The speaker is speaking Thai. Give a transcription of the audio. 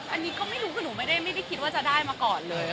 อันนี้ก็ไม่รู้คือหนูไม่ได้คิดว่าจะได้มาก่อนเลย